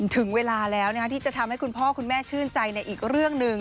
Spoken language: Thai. ถึงเวลาแล้วที่จะทำให้คุณพ่อคุณแม่ชื่นใจในอีกเรื่องหนึ่ง